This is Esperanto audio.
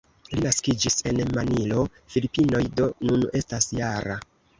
Li naskiĝis en Manilo, Filipinoj, do nun estas -jara.